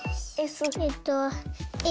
えっとａ。